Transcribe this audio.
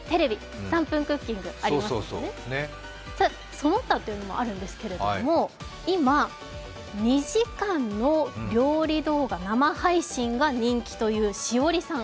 その他というのもあるんですけども、今、２時間の料理動画、生配信が人気というＳＨＩＯＲＩさん。